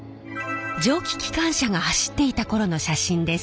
蒸気機関車が走っていた頃の写真です。